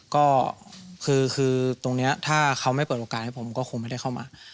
ก็คือตรงนี้ถ้าเขาไม่เปิดโอกาสให้ผมก็คงไม่ได้เข้ามา